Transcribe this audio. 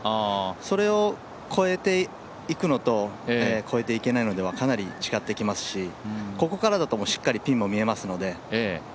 それを越えていくのと越えていけないのではかなり違ってきますし、ここからだとしっかりピンも見えますので。